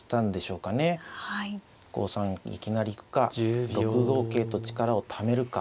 いきなり行くか６五桂と力をためるか。